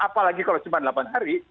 apalagi kalau cuma delapan hari